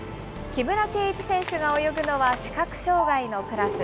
木村敬一選手が泳ぐのは視覚障害のクラス。